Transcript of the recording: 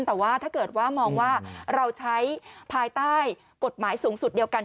แต่ว่าถ้าเกิดว่ามองว่าเราใช้ภายใต้กฎหมายสูงสุดเดียวกัน